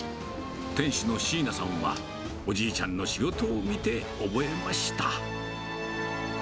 店主の椎名さんは、おじいちゃんの仕事を見て覚えました。